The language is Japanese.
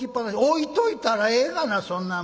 「置いといたらええがなそんなもん。